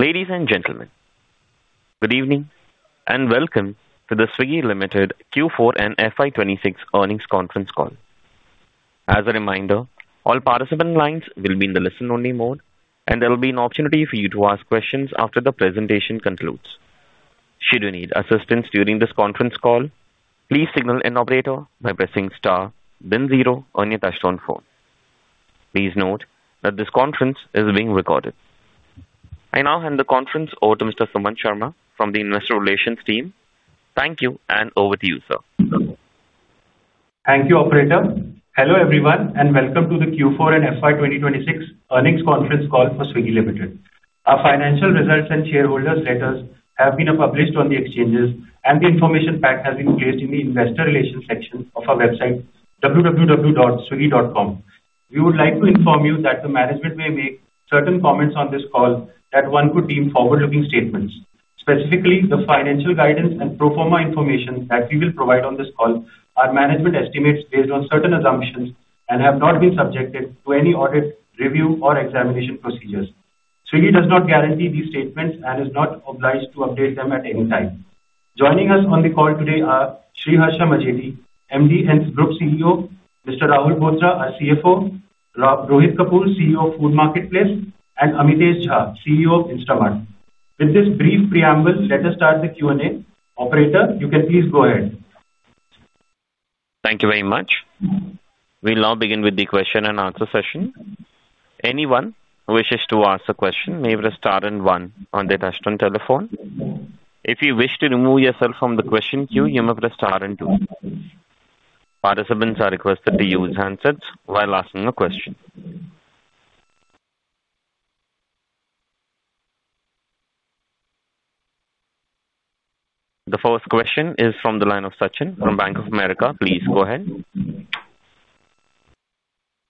Ladies and gentlemen, good evening, and welcome to the Swiggy Limited Q4 and FY 2026 earnings conference call. As a reminder, all participant lines will be in the listen only mode, and there will be an opportunity for you to ask questions after the presentation concludes. Should you need assistance during this conference call, please signal an operator by pressing star then zero on your touchtone phone. Please note that this conference is being recorded. I now hand the conference over to Mr. Sumant Sharma from the investor relations team. Thank you, and over to you, sir. Thank you, operator. Hello, everyone, and welcome to the Q4 and FY 2026 earnings conference call for Swiggy Limited. Our financial results and shareholders letters have been published on the exchanges and the information pack has been placed in the investor relations section of our website, www.swiggy.com. We would like to inform you that the management may make certain comments on this call that one could deem forward-looking statements. Specifically, the financial guidance and pro forma information that we will provide on this call are management estimates based on certain assumptions and have not been subjected to any audit, review or examination procedures. Swiggy does not guarantee these statements and is not obliged to update them at any time. Joining us on the call today are Sriharsha Majety, MD and Group CEO, Mr. Rahul Bothra, our CFO, Rohit Kapoor, CEO of Food Marketplace, and Amitesh Jha, CEO of Instamart. With this brief preamble, let us start the Q&A. Operator, you can please go ahead. Thank you very much. We'll now begin with the question and answer session. The first question is from the line of Sachin from Bank of America. Please go ahead.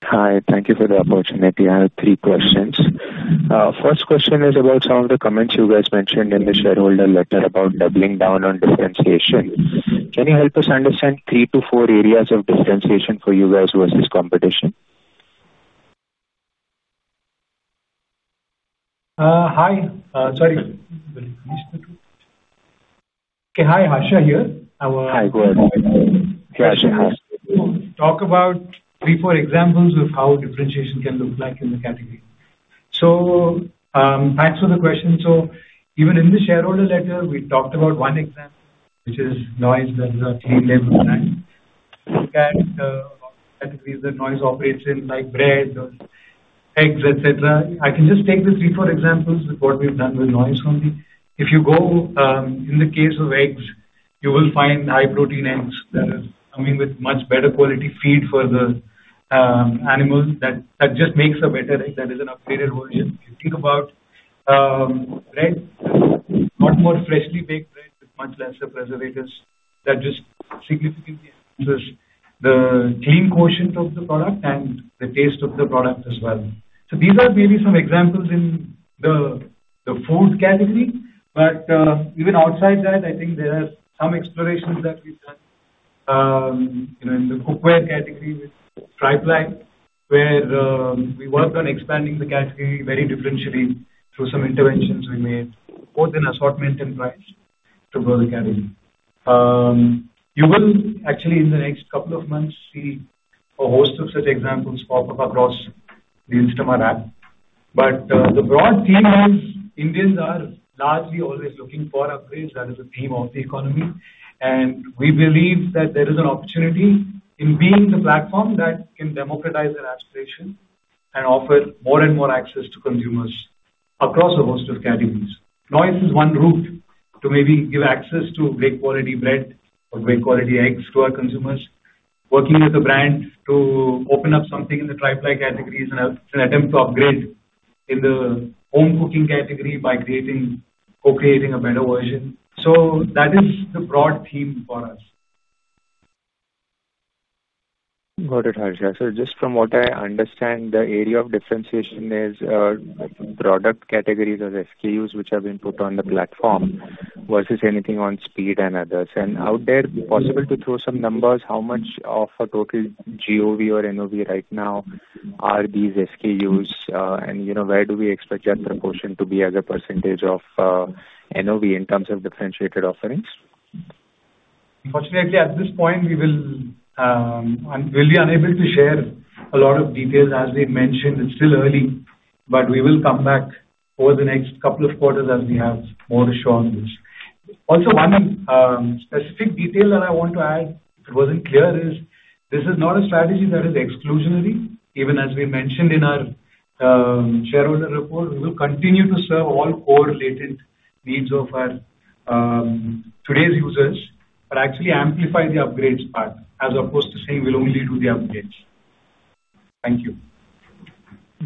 Hi, thank you for the opportunity. I have three questions. First question is about some of the comments you guys mentioned in the shareholder letter about doubling down on differentiation. Can you help us understand three to four areas of differentiation for you guys versus competition? Hi. Sorry. Okay. Hi, Harsha here. Hi. Go ahead. Talk about three, four examples of how differentiation can look like in the category. Thanks for the question. Even in the shareholder letter we talked about one example, which is Noice, the private label brand. Look at categories that Noice operates in, like bread or eggs, et cetera. I can just take the three, four examples with what we've done with Noice only. If you go in the case of eggs, you will find high protein eggs that are coming with much better quality feed for the animals that just makes a better egg, that is an upgraded version. If you think about bread, lot more freshly baked bread with much lesser preservatives that just significantly enhances the clean quotient of the product and the taste of the product as well. These are maybe some examples in the food category, but even outside that, I think there are some explorations that we've done, you know, in the cookware category with tri-ply, where we worked on expanding the category very differentially through some interventions we made, both in assortment and price to grow the category. You will actually in the next couple of months see a host of such examples pop up across the Instamart app. The broad theme is Indians are largely always looking for upgrades. That is the theme of the economy, and we believe that there is an opportunity in being the platform that can democratize that aspiration and offer more and more access to consumers across a host of categories. Noice is one route to maybe give access to great quality bread or great quality eggs to our consumers. Working with a brand to open up something in the tri-ply category, it's an attempt to upgrade in the home cooking category by creating a better version. That is the broad theme for us. Got it, Harsha. Just from what I understand, the area of differentiation is product categories or SKUs which have been put on the platform versus anything on speed and others. Out there, possible to throw some numbers, how much of a total GOV or NOV right now are these SKUs? You know, where do we expect that proportion to be as a percentage of NOV in terms of differentiated offerings? Unfortunately, at this point we'll be unable to share a lot of details. As we mentioned, it's still early, but we will come back over the next couple of quarters as we have more to show on this. One specific detail that I want to add, if it wasn't clear, is this is not a strategy that is exclusionary. Even as we mentioned in our shareholder report, we will continue to serve all core related needs of our today's users, but actually amplify the upgrades part as opposed to saying we'll only do the upgrades. Thank you.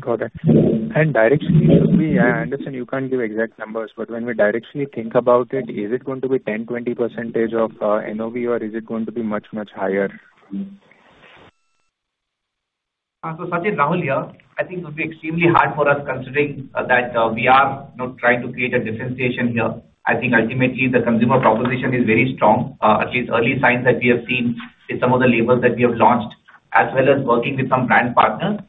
Got it. Directionally, I understand you can't give exact numbers, but when we directionally think about it, is it going to be 10%, 20% of NOV or is it going to be much, much higher? Sachin, Rahul here. I think it would be extremely hard for us considering that we are, you know, trying to create a differentiation here. I think ultimately the consumer proposition is very strong. At least early signs that we have seen in some of the labels that we have launched. As well as working with some brand partners.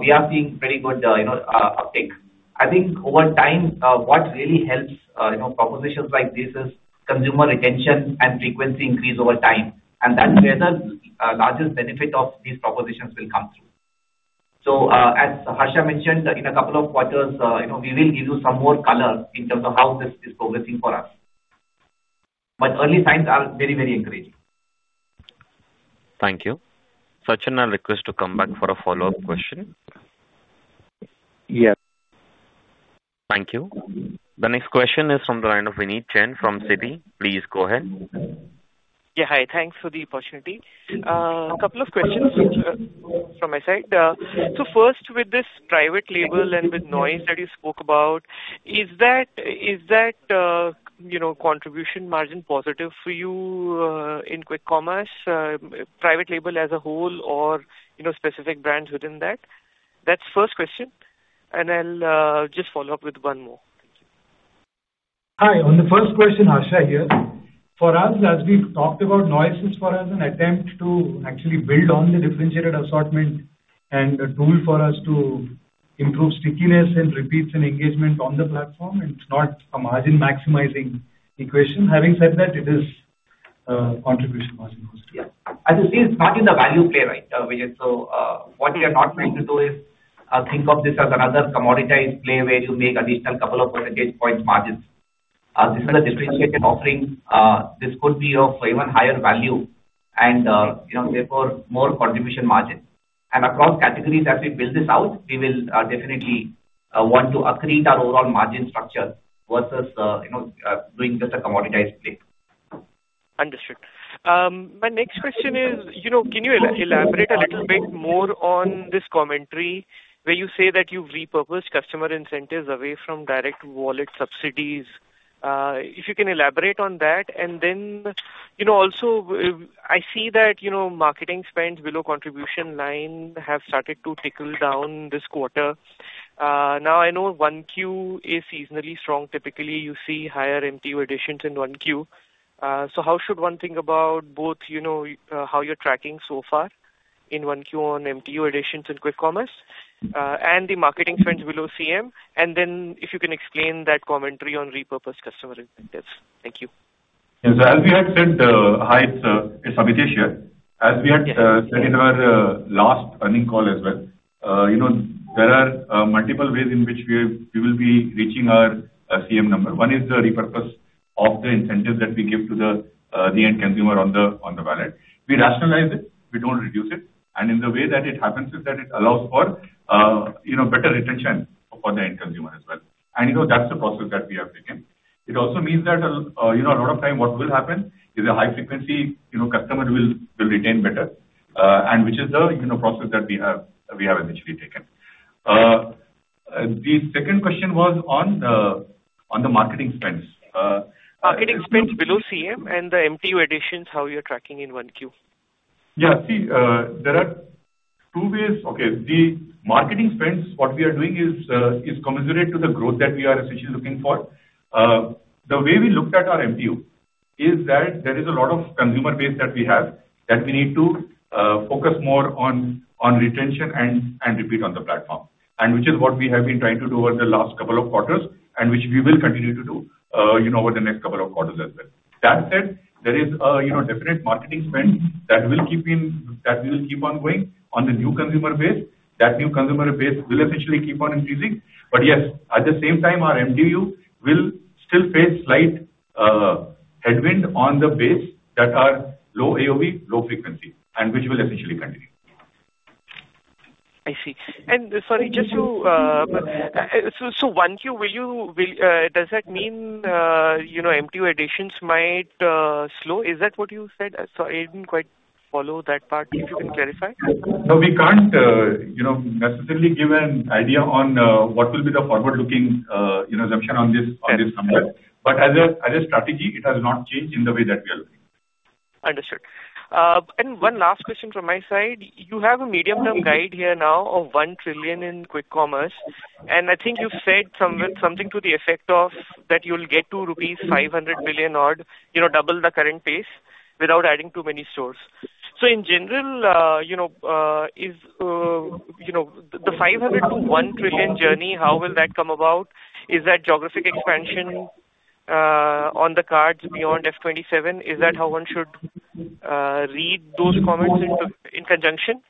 We are seeing very good uptake. I think over time, what really helps propositions like this is consumer retention and frequency increase over time, and that's where the largest benefit of these propositions will come through. As Harsha mentioned, in a couple of quarters, we will give you some more color in terms of how this is progressing for us. Early signs are very, very encouraging. Thank you. Sachin, I request you to come back for a follow-up question. Yes. Thank you. The next question is from the line of Vijit Jain from Citi. Please go ahead. Yeah. Hi. Thanks for the opportunity. Couple of questions from my side. First with this private label and with Noice that you spoke about, is that, you know, contribution margin positive for you in Quick Commerce, private label as a whole or, you know, specific brands within that? That's first question. I'll just follow up with one more. Thank you. Hi. On the first question, Harsha here. For us, as we've talked about Noice, is for us an attempt to actually build on the differentiated assortment and a tool for us to improve stickiness and repeats and engagement on the platform. It's not a margin-maximizing equation. Having said that, it is contribution margin positive. Yeah. As you see, it's not in the value play, right, Vijit. What we are not trying to do is think of this as another commoditized play where you make additional couple of percentage points margins. This is a differentiated offering. This could be of even higher value and, you know, therefore more contribution margin. Across categories that we build this out, we will definitely want to accrete our overall margin structure versus, you know, doing just a commoditized play. Understood. My next question is, you know, can you elaborate a little bit more on this commentary where you say that you've repurposed customer incentives away from direct wallet subsidies? If you can elaborate on that. Also, you know, I see that, you know, marketing spends below contribution line have started to tickle down this quarter. I know 1Q is seasonally strong. Typically you see higher MTU additions in 1Q. How should one think about both, you know, how you're tracking so far in 1Q on MTU additions in Quick Commerce, and the marketing trends below CM, if you can explain that commentary on repurposed customer incentives. Thank you. Yes, as we had said, Hi, it's Amitesh here. Yes. As we had said in our last earning call as well, you know, there are multiple ways in which we will be reaching our CM number. One is the repurpose of the incentives that we give to the end consumer on the wallet. We rationalize it, we don't reduce it. In the way that it happens is that it allows for, you know, better retention for the end consumer as well. You know, that's the process that we have taken. It also means that a lot of time what will happen is a high frequency, you know, customer will retain better, and which is the, you know, process that we have essentially taken. The second question was on the marketing spends. Marketing spends below CM and the MTU additions, how you're tracking in 1 Q? See, there are two ways. The marketing spends, what we are doing is commensurate to the growth that we are essentially looking for. The way we looked at our MTU is that there is a lot of consumer base that we have that we need to focus more on retention and repeat on the platform, and which is what we have been trying to do over the last couple of quarters and which we will continue to do, you know, over the next couple of quarters as well. That said, there is, you know, definite marketing spend that will keep on going on the new consumer base. That new consumer base will essentially keep on increasing. Yes, at the same time our MTU will still face slight headwind on the base that are low AOV, low frequency, and which will essentially continue. I see. Sorry, just to 1Q does that mean, you know, MTU additions might slow? Is that what you said? Sorry, I didn't quite follow that part. If you can clarify. No, we can't, you know, necessarily give an idea on, what will be the forward-looking, you know, assumption on this, on this number. As a, as a strategy, it has not changed in the way that we are looking. Understood. One last question from my side. You have a medium-term guide here now of 1 trillion in Quick Commerce, and I think you've said something to the effect of that you'll get to rupees 500 billion odd, you know, double the current pace without adding too many stores. In general, you know, the 500 billion to 1 trillion journey, how will that come about? Is that geographic expansion on the cards beyond FY 2027? Is that how one should read those comments in conjunction?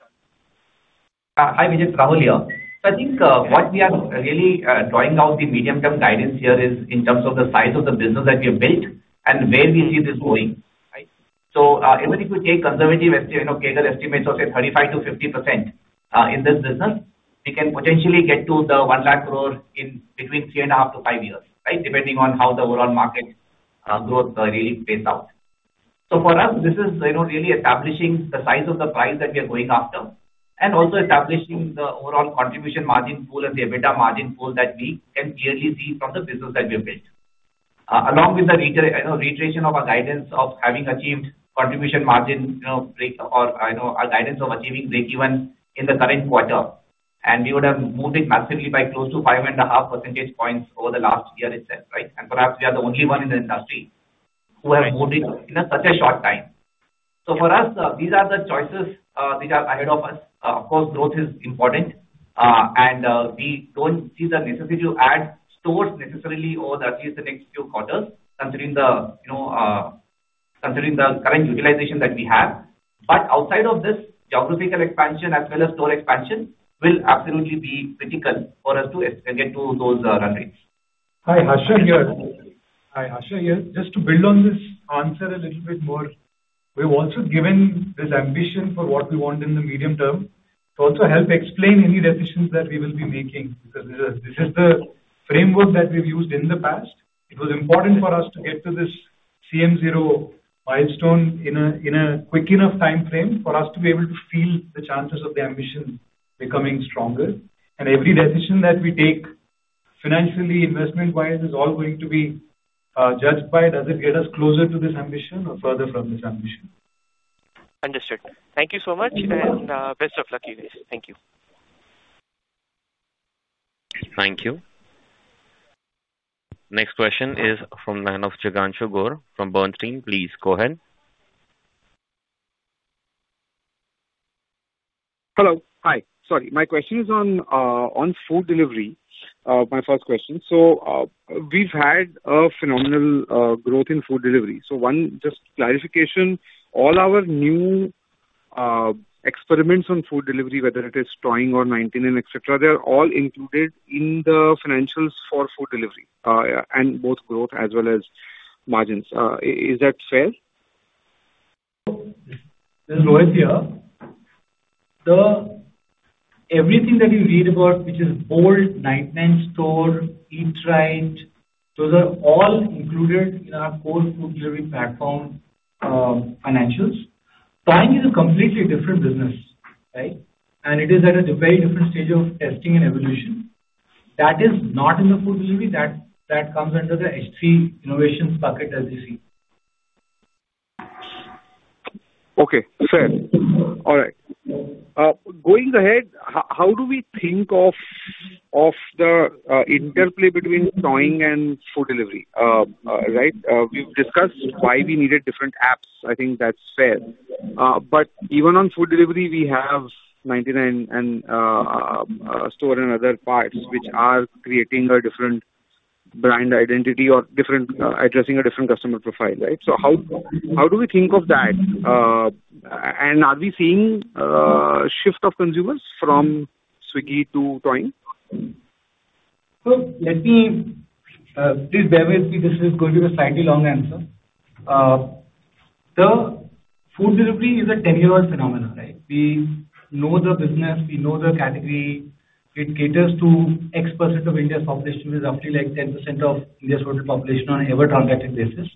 Hi, Vijit. Rahul here. I think what we are really drawing out the medium-term guidance here is in terms of the size of the business that we have built and where we see this going, right? Even if you take conservative you know, CAGR estimates of say 35%-50% in this business, we can potentially get to the 1 lakh crore in between 3.5 to five years, right? Depending on how the overall market growth really plays out. For us, this is, you know, really establishing the size of the prize that we are going after and also establishing the overall contribution margin pool and the EBITDA margin pool that we can clearly see from the business that we have built. Along with the you know, reiteration of our guidance of having achieved contribution margin, you know, break or, you know, our guidance of achieving break-even in the current quarter, we would have moved it massively by close to 5.5 percentage points over the last year itself, right? Perhaps we are the only one in the industry. Who have moved it in such a short time. For us, these are the choices, which are ahead of us. Of course, growth is important, and we don't see the necessity to add stores necessarily over at least the next few quarters considering the current utilization that we have. Outside of this geographical expansion as well as store expansion will absolutely be critical for us to get to those run rates. Hi, Harsha here. Just to build on this answer a little bit more, we've also given this ambition for what we want in the medium term to also help explain any decisions that we will be making, because this is the framework that we've used in the past. It was important for us to get to this CM zero milestone in a quick enough timeframe for us to be able to feel the chances of the ambition becoming stronger. Every decision that we take financially, investment-wise, is all going to be judged by does it get us closer to this ambition or further from this ambition? Understood. Thank you so much. Best of luck to you guys. Thank you. Thank you. Next question is from the line of Jignanshu Gor from Bernstein. Please go ahead. Hello. Hi. Sorry. My question is on Food Delivery, my first question. We've had a phenomenal growth in Food Delivery. One just clarification, all our new experiments on Food Delivery, whether it is Toing or 99 and et cetera, they are all included in the financials for Food Delivery, and both growth as well as margins. Is that fair? This is Rohit here. Everything that you read about, which is Bolt, 99 Store, EatRight, those are all included in our core Food Delivery platform financials. Toing is a completely different business, right? It is at a very different stage of testing and evolution. That is not in the Food Delivery. That comes under the HT Innovations bucket, as you see. Okay. Fair. All right. Going ahead, how do we think of the interplay between Toing and Food Delivery? Right. We've discussed why we needed different apps. I think that's fair. But even on Food Delivery, we have 99 Store and other parts which are creating a different brand identity or addressing a different customer profile, right? How do we think of that? Are we seeing shift of consumers from Swiggy to Toing? Let me, please bear with me. This is going to be a slightly long answer. The food delivery is a 10-year-old phenomenon, right? We know the business, we know the category. It caters to X% of India's population, which is roughly like 10% of India's total population on a ever transacted basis.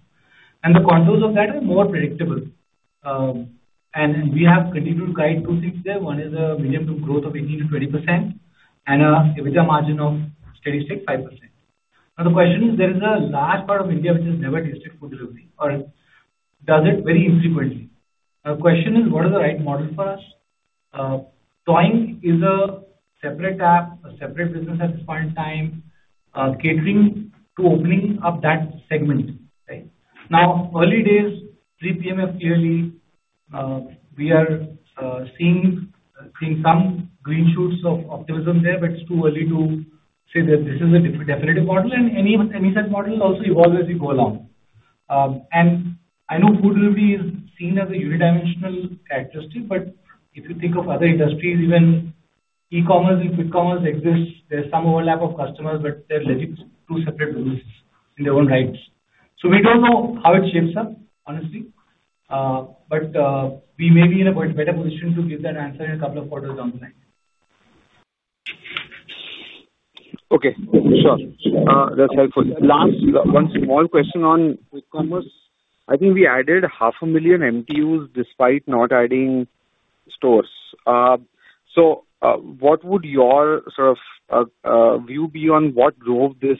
The contours of that are more predictable. We have continued to guide two things there. One is a medium-term growth of 18%-20% and a EBITDA margin of steady-state 5%. The question is, there is a large part of India which has never tasted food delivery or does it very infrequently. The question is, what is the right model for us? Toing is a separate app, a separate business at this point in time, catering to openings of that segment, right? Now, early days, pre-PMF clearly, we are seeing some green shoots of optimism there, but it's too early to say that this is a definite model. Any such model also evolves as we go along. I know food delivery is seen as a unidimensional characteristic, but if you think of other industries, even e-commerce and Quick Commerce exists, there's some overlap of customers, but they're legit two separate businesses in their own rights. We don't know how it shapes up, honestly. We may be in a better position to give that answer in a couple of quarters down the line. Okay, sure. That's helpful. Last, one small question on Quick Commerce. I think we added half a million MTUs despite not adding stores. What would your sort of, view be on what drove this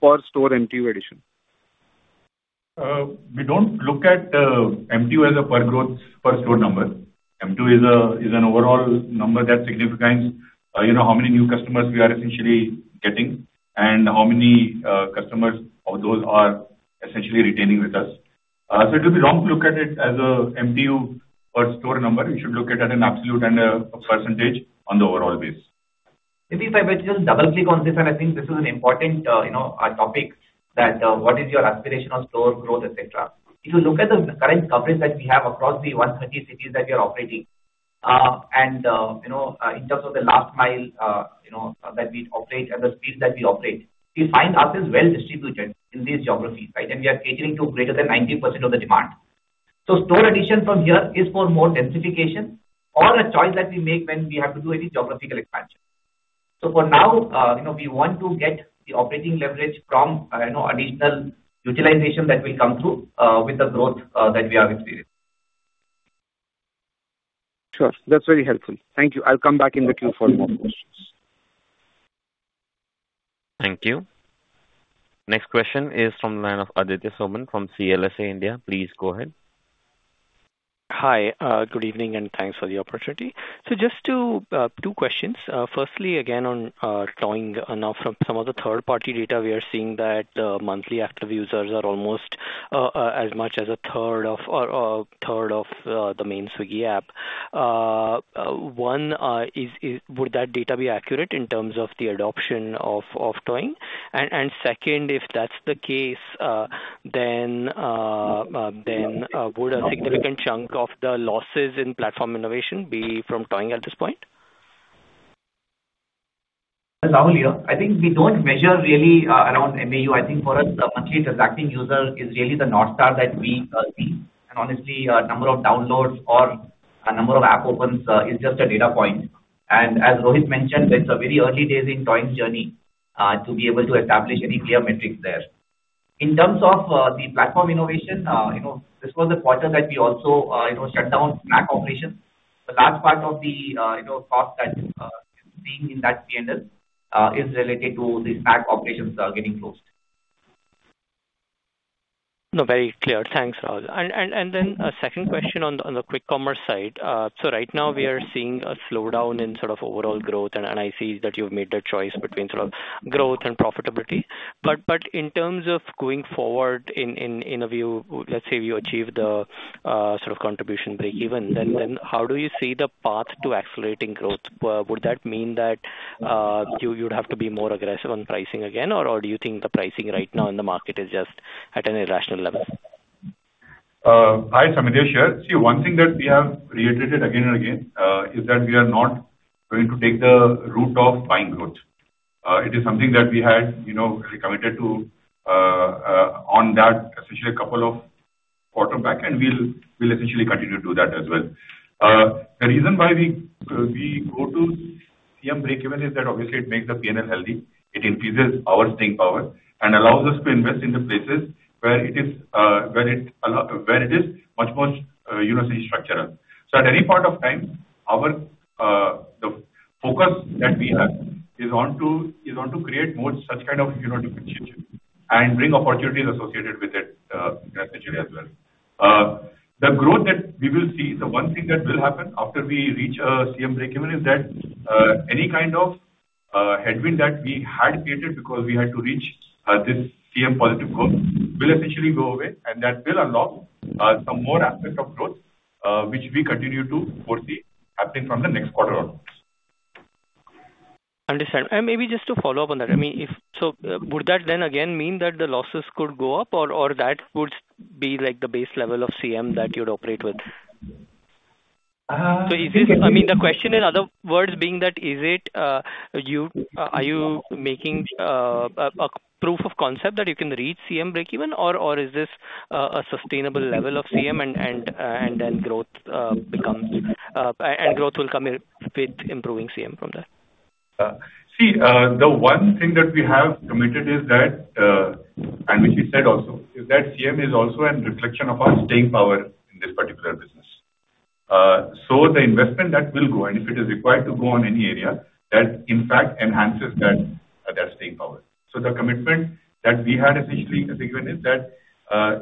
per store MTU addition? We don't look at MTU as a per growth, per store number. MTU is an overall number that signifies, you know, how many new customers we are essentially getting and how many customers of those are essentially retaining with us. It will be wrong to look at it as a MTU per store number. You should look at it an absolute and a percentage on the overall base. If I might just double click on this, and I think this is an important, you know, topic that, what is your aspirational store growth, et cetera. If you look at the current coverage that we have across the 130 cities that we are operating, and, you know, in terms of the last mile, you know, that we operate and the speed that we operate, we find ourself well distributed in these geographies, right? We are catering to greater than 90% of the demand. Store addition from here is for more densification or a choice that we make when we have to do any geographical expansion. For now, you know, we want to get the operating leverage from, you know, additional utilization that will come through with the growth that we are experiencing. Sure. That's very helpful. Thank you. I'll come back in the queue for more questions. Thank you. Next question is from the line of Aditya Soman from CLSA India. Please go ahead. Hi, good evening, thanks for the opportunity. Just to, two questions. Firstly again on Toing. From some of the third party data, we are seeing that monthly active users are almost as much as a third of or third of the main Swiggy app. One, would that data be accurate in terms of the adoption of Toing? Second, if that's the case, would a significant chunk of the losses in platform innovation be from Toing at this point? Rahul here. I think we don't measure really around MAU. I think for us, the monthly transacting user is really the North Star that we see. Honestly, a number of downloads or a number of app opens is just a data point. As Rohit mentioned, it's a very early days in Toing journey to be able to establish any clear metrics there. In terms of the platform innovation, you know, this was a quarter that we also, you know, shut down SNACC operations. The large part of the, you know, cost that you're seeing in that P&L is related to the SNACC operations getting closed. No, very clear. Thanks, Rahul. A second question on the Quick Commerce side. Right now we are seeing a slowdown in sort of overall growth, and I see that you've made the choice between sort of growth and profitability. In terms of going forward in a view, let's say if you achieve the sort of contribution breakeven, how do you see the path to accelerating growth? Would that mean that you'd have to be more aggressive on pricing again? Do you think the pricing right now in the market is just at an irrational level? Hi, Amitesh here. See, one thing that we have reiterated again and again, is that we are not going to take the route of buying growth. It is something that we had, you know, really committed to, on that essentially a couple of quarter back, and we'll essentially continue to do that as well. The reason why we go to CM breakeven is that obviously it makes the P&L healthy, it increases our staying power and allows us to invest in the places where it is where it is much more, you know, say structural. At any point of time, our the focus that we have is on to create more such kind of, you know, differentiation and bring opportunities associated with it, essentially as well. The growth that we will see, the one thing that will happen after we reach a CM breakeven is that any kind of headwind that we had created because we had to reach this CM positive growth will essentially go away and that will unlock some more aspects of growth which we continue to foresee happening from the next quarter onwards. Understand. Maybe just to follow up on that. I mean, if so, would that then again mean that the losses could go up or that would be like the base level of CM that you'd operate with? Uh- I mean, the question in other words being that is it, Are you making a proof of concept that you can reach CM breakeven or is this a sustainable level of CM and then growth will come in with improving CM from there? See, the one thing that we have committed is that, and which we said also, is that CM is also a reflection of our staying power in this particular business. The investment that will go, and if it is required to go on any area, that in fact enhances that staying power. The commitment that we had essentially as a given is that,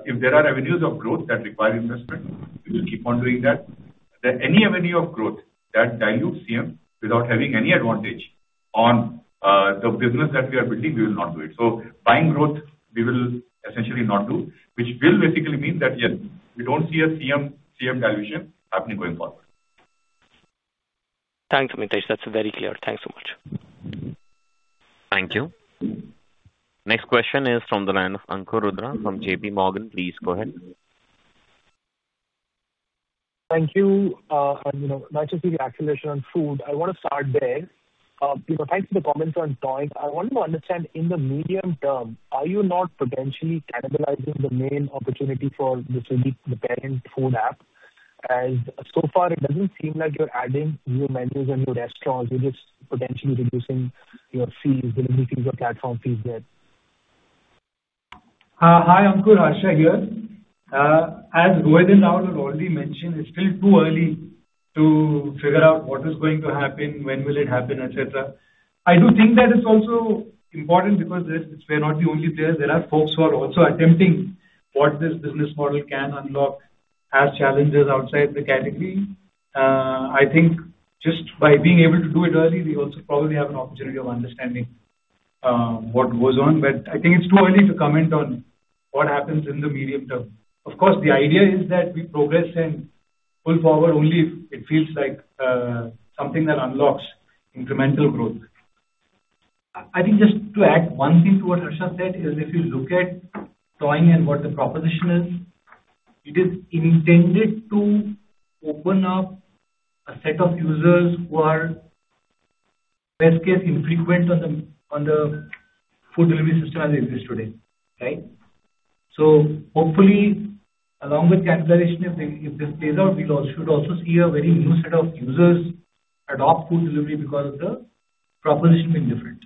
if there are avenues of growth that require investment, we will keep on doing that. Any avenue of growth that dilutes CM without having any advantage on, the business that we are building, we will not do it. Buying growth, we will essentially not do, which will basically mean that, yes, we don't see a CM dilution happening going forward. Thanks, Amitesh. That's very clear. Thanks so much. Thank you. Next question is from the line of Ankur Rudra from JPMorgan. Please go ahead. Thank you. You know, nice to see the acceleration on food. I want to start there. You know, thanks for the comments on Toing. I want to understand in the medium term, are you not potentially cannibalizing the main opportunity for the Swiggy, the parent food app? So far it doesn't seem like you're adding new menus and new restaurants, you're just potentially reducing your fees, delivering fees or platform fees there. Hi, Ankur. Harsha here. As Rohit and Rahul have already mentioned, it's still too early to figure out what is going to happen, when will it happen, et cetera. I do think that it's also important because this, we're not the only players. There are folks who are also attempting what this business model can unlock as challenges outside the category. I think just by being able to do it early, we also probably have an opportunity of understanding what goes on. I think it's too early to comment on what happens in the medium term. Of course, the idea is that we progress and pull forward only if it feels like something that unlocks incremental growth. I think just to add one thing to what Harsha said is if you look at Toing and what the proposition is, it is intended to open up a set of users who are best case infrequent on the food delivery system as it exists today, right? Hopefully along with cannibalization, if this plays out, should also see a very new set of users adopt food delivery because of the proposition being different.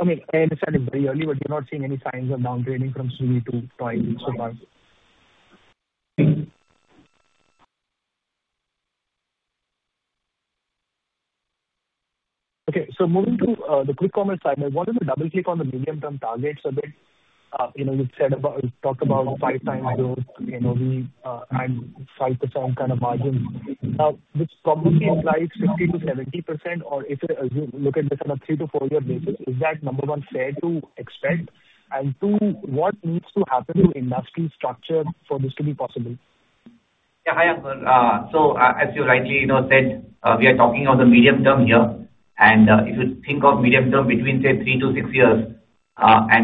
I mean, I understand it's very early, but you're not seeing any signs of downgrading from Swiggy to Toing so far? Okay. Moving to the Quick Commerce side. I wanted to double-click on the medium-term targets a bit. You know, you've talked about five times growth, you know, we, and 5% kind of margin. This probably implies 50%-70% or if you look at this on a three to four-year basis, is that, number One, fair to expect? Two, what needs to happen to industry structure for this to be possible? Yeah. Hi, Ankur. As you rightly, you know, said, we are talking on the medium term here. If you think of medium term between, say, three to six years,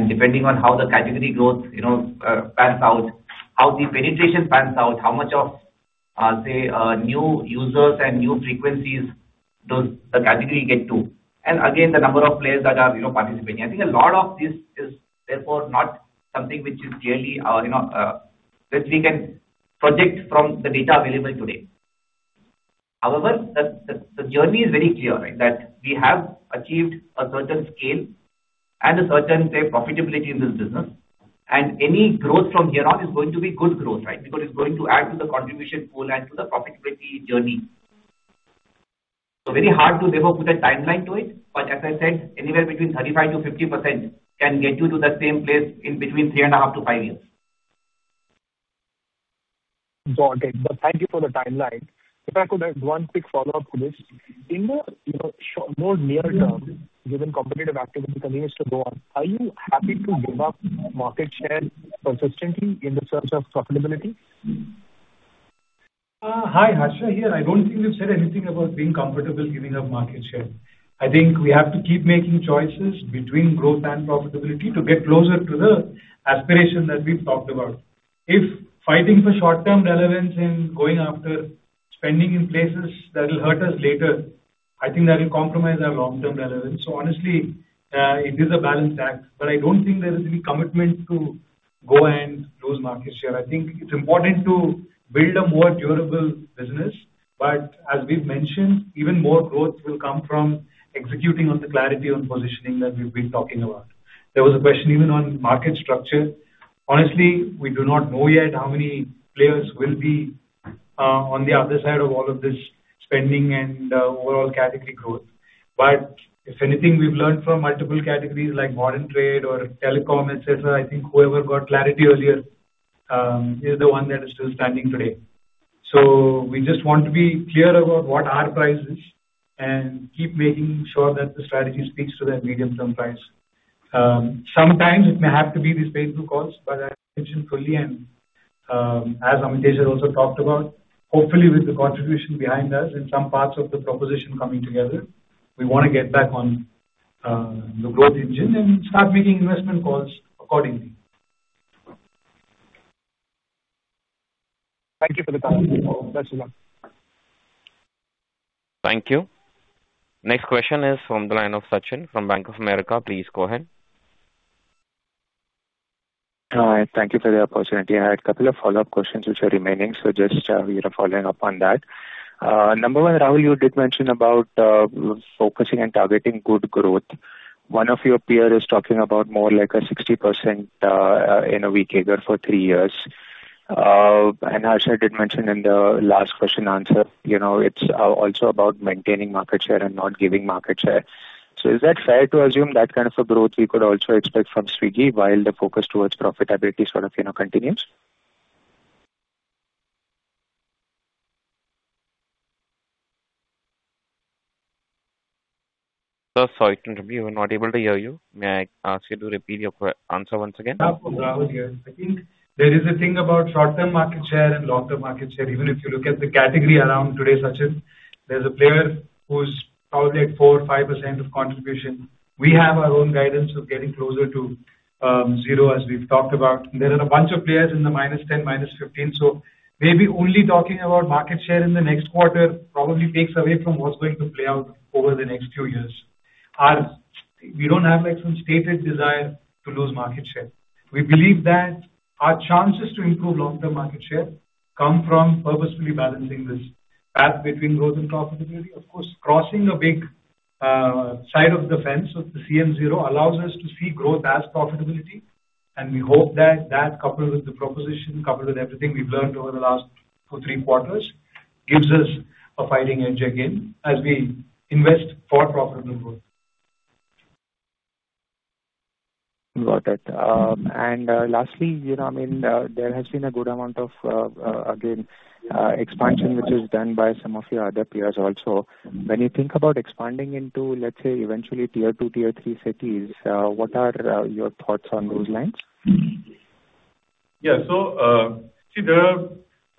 depending on how the category growth, you know, pans out, how the penetration pans out, how much of, say, new users and new frequencies does the category get to, the number of players that are, you know, participating. I think a lot of this is therefore not something which is clearly or, you know, which we can project from the data available today. However, the journey is very clear, right? That we have achieved a certain scale and a certain, say, profitability in this business, and any growth from here on is going to be good growth, right? It's going to add to the contribution goal and to the profitability journey. Very hard to therefore put a timeline to it, but as I said, anywhere between 35%-50% can get you to that same place in between three and a half to five years. Got it. Thank you for the timeline. If I could add one quick follow-up to this. In the, you know, more near term, given competitive activity continues to go on, are you happy to give up market share persistently in the search of profitability? Hi. Harsha here. I don't think we've said anything about being comfortable giving up market share. I think we have to keep making choices between growth and profitability to get closer to the aspiration that we've talked about. If fighting for short-term relevance and going after spending in places that will hurt us later, I think that'll compromise our long-term relevance. Honestly, it is a balanced act, but I don't think there is any commitment to go and lose market share. I think it's important to build a more durable business. As we've mentioned, even more growth will come from executing on the clarity on positioning that we've been talking about. There was a question even on market structure. Honestly, we do not know yet how many players will be on the other side of all of this spending and overall category growth. If anything we've learned from multiple categories like modern trade or telecom, et cetera, I think whoever got clarity earlier is the one that is still standing today. We just want to be clear about what our price is and keep making sure that the strategy speaks to that medium-term price. Sometimes it may have to be these pay-two calls, but as mentioned fully and, as Amitesh has also talked about, hopefully with the contribution behind us and some parts of the proposition coming together, we want to get back on the growth engine and start making investment calls accordingly. Thank you for the clarity. That is all. Thank you. Next question is from the line of Sachin from Bank of America. Please go ahead. Hi. Thank you for the opportunity. I had a couple of follow-up questions which are remaining, so just, you know, following up on that. Number one, Rahul, you did mention about focusing and targeting good growth. One of your peer is talking about more like a 60% in a week CAGR for three years. Harsha did mention in the last question answer, you know, it's also about maintaining market share and not giving market share. Is that fair to assume that kind of a growth we could also expect from Swiggy while the focus towards profitability sort of, you know, continues? Sorry to interrupt you. We're not able to hear you. May I ask you to repeat your answer once again? Yeah. Rohit here. I think there is a thing about short-term market share and long-term market share. Even if you look at the category around today, Sachin, there's a player who's probably at 4% or 5% of contribution. We have our own guidance of getting closer to zero, as we've talked about. There are a bunch of players in the -10, -15. Maybe only talking about market share in the next quarter probably takes away from what's going to play out over the next few years. We don't have like some stated desire to lose market share. We believe that our chances to improve long-term market share come from purposefully balancing this path between growth and profitability. Of course, crossing a big, side of the fence with the CM zero allows us to see growth as profitability, and we hope that that coupled with the proposition, coupled with everything we've learned over the last two, three quarters, gives us a fighting edge again as we invest for profitable growth. Got it. Lastly, you know, I mean, there has been a good amount of, again, expansion which is done by some of your other peers also. When you think about expanding into, let's say, eventually Tier 2, Tier 3 cities, what are your thoughts on those lines? Yeah. See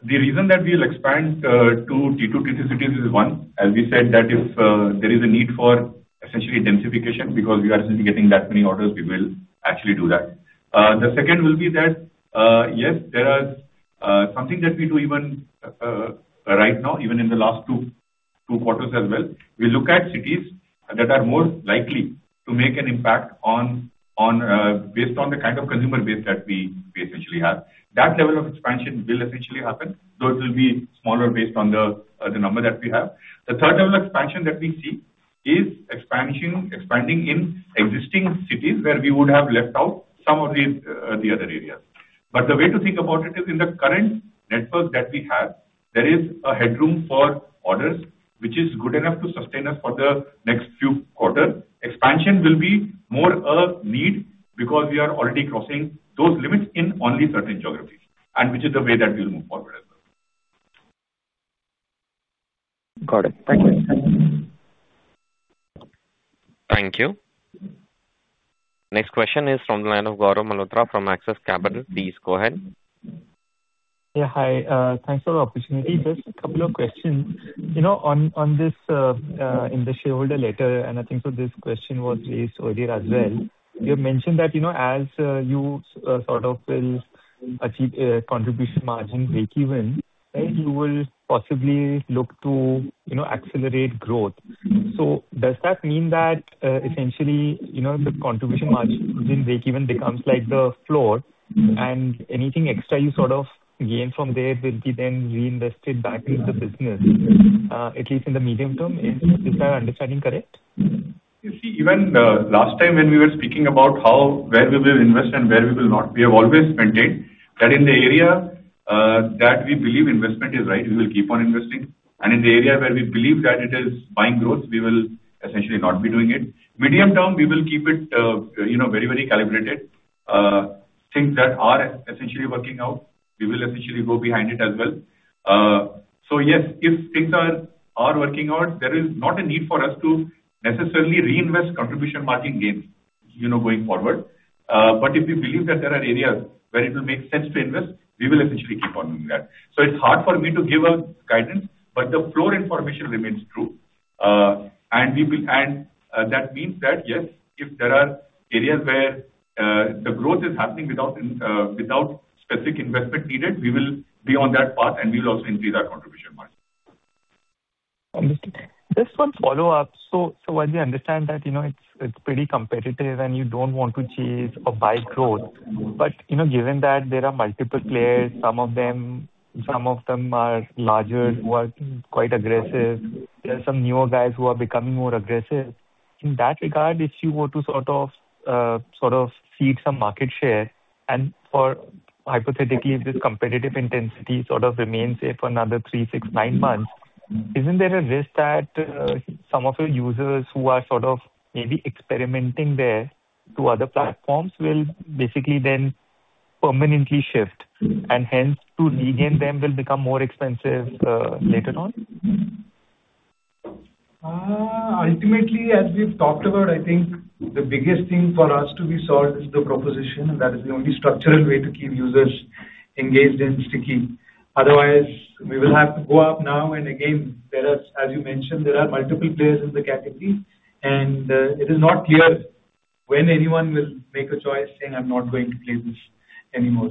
the reason that we'll expand to Tier 2, Tier 3 cities is, one, as we said that if there is a need for essentially densification because we are simply getting that many orders, we will actually do that. The second will be that, yes, there are something that we do even right now, even in the last two quarters as well. We look at cities that are more likely to make an impact on based on the kind of consumer base that we essentially have. That level of expansion will essentially happen. Those will be smaller based on the number that we have. The third level expansion that we see is expanding in existing cities where we would have left out some of these the other areas. The way to think about it is in the current network that we have, there is a headroom for orders which is good enough to sustain us for the next few quarter. Expansion will be more a need because we are already crossing those limits in only certain geographies, and which is the way that we'll move forward as well. Got it. Thank you. Thank you. Next question is from the line of Gaurav Malhotra from Axis Capital. Please go ahead. Yeah, hi. Thanks for the opportunity. Just a couple of questions. You know, on this, in the shareholder letter, and I think so this question was raised earlier as well. You have mentioned that, you know, as you sort of will achieve contribution margin breakeven, right? You will possibly look to, you know, accelerate growth. Does that mean that, essentially, you know, the contribution margin breakeven becomes like the floor and anything extra you sort of gain from there will be then reinvested back into the business, at least in the medium term? Is my understanding correct? You see, even the last time when we were speaking about where we will invest and where we will not, we have always maintained that in the area that we believe investment is right, we will keep on investing. In the area where we believe that it is buying growth, we will essentially not be doing it. Medium term, we will keep it, you know, very, very calibrated. Things that are essentially working out, we will essentially go behind it as well. Yes, if things are working out, there is not a need for us to necessarily reinvest contribution margin gains, you know, going forward. If we believe that there are areas where it will make sense to invest, we will essentially keep on doing that. It's hard for me to give a guidance, but the floor information remains true. That means that, yes, if there are areas where the growth is happening without specific investment needed, we will be on that path and we will also increase our contribution margin. Understood. Just one follow-up. While we understand that, you know, it's pretty competitive and you don't want to chase or buy growth. You know, given that there are multiple players, some of them are larger, who are quite aggressive. There are some newer guys who are becoming more aggressive. In that regard, if you were to sort of cede some market share and for hypothetically, if this competitive intensity sort of remains say for another three, six, nine months, isn't there a risk that some of your users who are sort of maybe experimenting there to other platforms will basically then permanently shift and hence to regain them will become more expensive later on? Ultimately, as we've talked about, I think the biggest thing for us to be solved is the proposition, and that is the only structural way to keep users engaged and sticky. We will have to go out now and again, there are, as you mentioned, there are multiple players in the category, and it is not clear when anyone will make a choice saying, "I'm not going to play this anymore."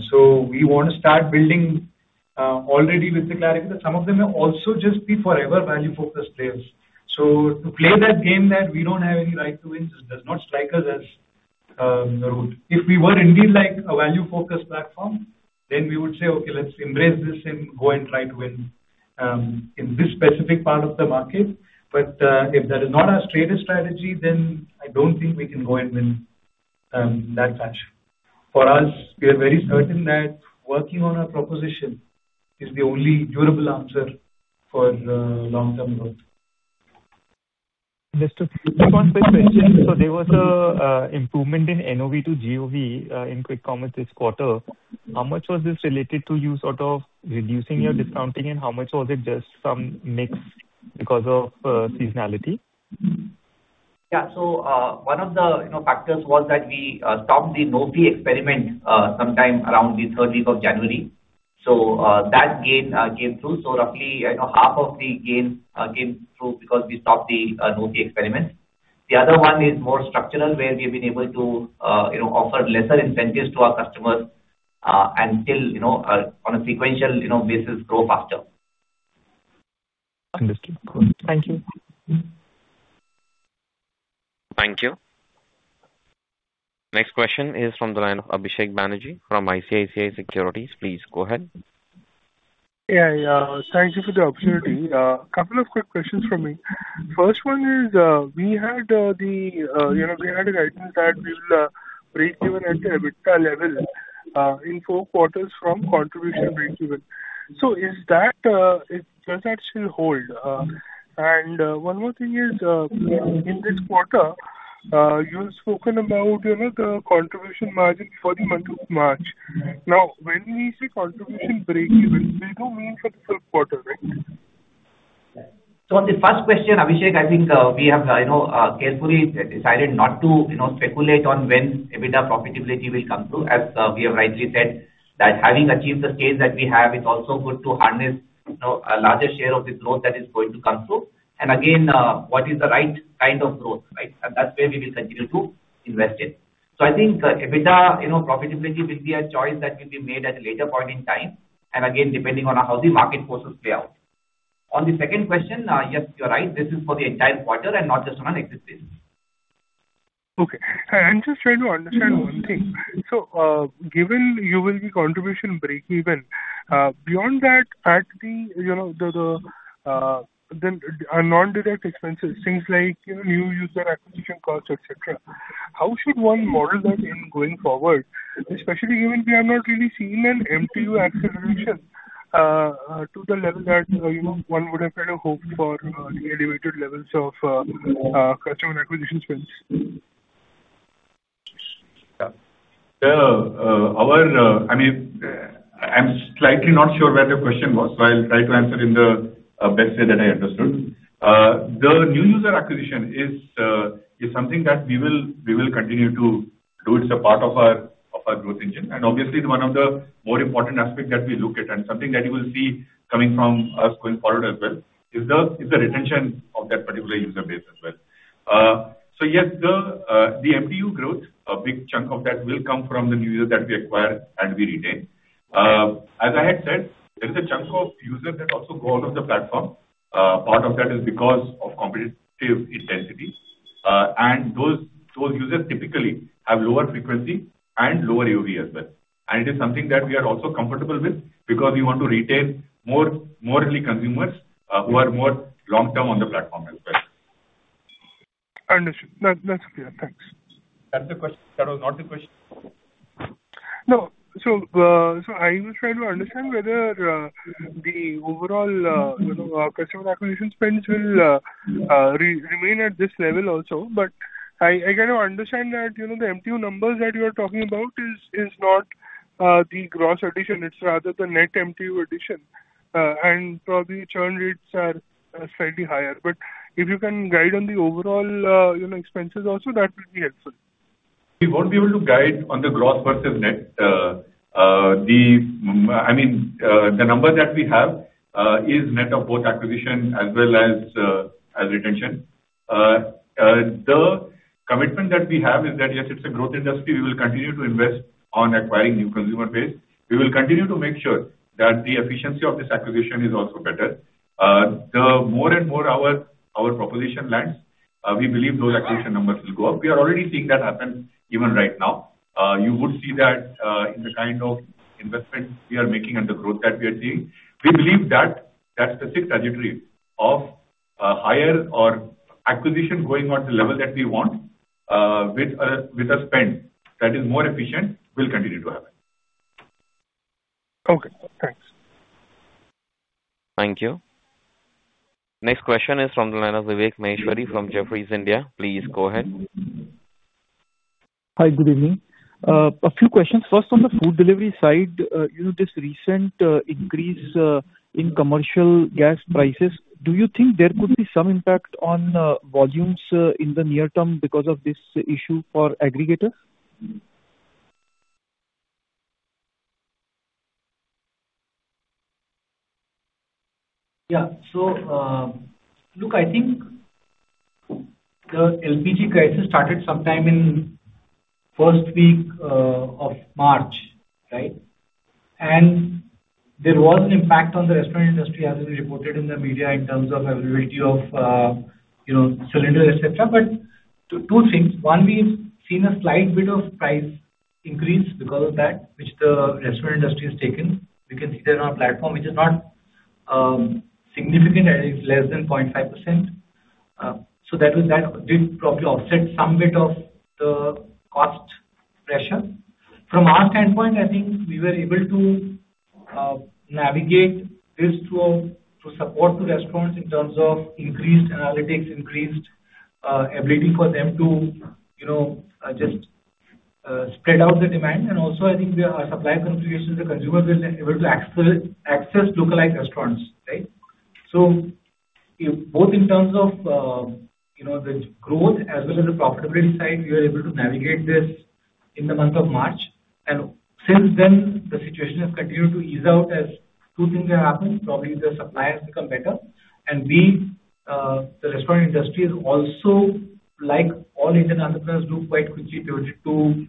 We want to start building already with the clarity that some of them may also just be forever value-focused players. To play that game that we don't have any right to win does not strike us as rude. If we were indeed like a value-focused platform, then we would say, "Okay, let's embrace this and go and try to win in this specific part of the market." If that is not our stated strategy, then I don't think we can go and win that match. For us, we are very certain that working on our proposition is the only durable answer for the long-term growth. Just a quick question. There was an improvement in NOV to GOV in Quick Commerce this quarter. How much was this related to you sort of reducing your discounting and how much was it just some mix because of seasonality? Yeah. One of the, you know, factors was that we stopped the NOV experiment sometime around the third week of January. That gain came through. Roughly, you know, half of the gains came through because we stopped the NOV experiment. The other one is more structural, where we've been able to, you know, offer lesser incentives to our customers and still, you know, on a sequential, you know, basis grow faster. Understood. Thank you. Thank you. Next question is from the line of Abhisek Banerjee from ICICI Securities. Please go ahead. Yeah. Thank you for the opportunity. Couple of quick questions from me. First one is, we had, you know, we had a guidance that we will break even at the EBITDA level in four quarters from contribution breakeven. Does that still hold? One more thing is, in this quarter, you have spoken about, you know, the contribution margin for the month of March. Now, when we say contribution breakeven, we do mean for the full quarter, right? On the first question, Abhisek, I think, we have, you know, carefully decided not to, you know, speculate on when EBITDA profitability will come through. As we have rightly said that having achieved the scale that we have, it's also good to harness, you know, a larger share of the growth that is going to come through. Again, what is the right kind of growth, right? That's where we will continue to invest in. I think EBITDA, you know, profitability will be a choice that will be made at a later point in time. Again, depending on how the market forces play out. On the second question, yes, you're right, this is for the entire quarter and not just on an exit basis. Okay. I'm just trying to understand one thing. Given you will be contribution breakeven. Beyond that, at the, you know, the non-direct expenses, things like, you know, new user acquisition costs, et cetera. How should one model that in going forward, especially given we have not really seen an MTU acceleration to the level that, you know, one would have kind of hoped for, the elevated levels of customer acquisition spends? Yeah. I mean, I'm slightly not sure where the question was, so I'll try to answer in the best way that I understood. The new user acquisition is something that we will continue to do. It's a part of our growth engine, and obviously one of the more important aspect that we look at, and something that you will see coming from us going forward as well, is the retention of that particular user base as well. Yes, the MTU growth, a big chunk of that will come from the new users that we acquire and we retain. As I had said, there is a chunk of users that also go out of the platform. Part of that is because of competitive intensities. Those users typically have lower frequency and lower AOV as well. It is something that we are also comfortable with because we want to retain more early consumers who are more long-term on the platform as well. Understood. That's clear. Thanks. That was not the question? No. I was trying to understand whether the overall, you know, customer acquisition spends will remain at this level also. I kind of understand that, you know, the MTU numbers that you are talking about is not the gross addition, it's rather the net MTU addition. And probably churn rates are slightly higher. If you can guide on the overall, you know, expenses also, that will be helpful. We won't be able to guide on the gross versus net. I mean, the number that we have is net of both acquisition as well as retention. The commitment that we have is that, yes, it's a growth industry, we will continue to invest on acquiring new consumer base. We will continue to make sure that the efficiency of this acquisition is also better. The more and more our proposition lands, we believe those acquisition numbers will go up. We are already seeing that happen even right now. You would see that in the kind of investments we are making and the growth that we are seeing. We believe that that's the fixed trajectory of higher or acquisition growing at the level that we want, with a spend that is more efficient will continue to happen. Okay, thanks. Thank you. Next question is from the line of Vivek Maheshwari from Jefferies India. Please go ahead. Hi, good evening. A few questions. First, on the Food Delivery side, you know, this recent increase in commercial gas prices, do you think there could be some impact on volumes in the near term because of this issue for aggregators? Yeah. Look, I think the LPG crisis started sometime in first week of March, right? There was an impact on the restaurant industry as it reported in the media in terms of availability of, you know, cylinder, et cetera. Two things. One, we've seen a slight bit of price increase because of that which the restaurant industry has taken. We can see that on our platform, which is not significant and is less than 0.5%. That was that. Did probably offset some bit of the cost pressure. From our standpoint, I think we were able to navigate this to support the restaurants in terms of increased analytics, increased ability for them to just spread out the demand and also I think we are supply configurations, the consumers were able to access localized restaurants, right? If both in terms of the growth as well as the profitability side, we are able to navigate this in the month of March. Since then, the situation has continued to ease out as two things have happened. Probably the supply has become better and, B, the restaurant industry is also like all Indian entrepreneurs do quite quickly pivoted to